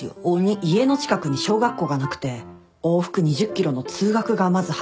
家の近くに小学校がなくて往復２０ｋｍの通学がまずハードな修行でしたね。